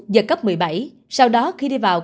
giật cấp một mươi bảy sau đó khi đi vào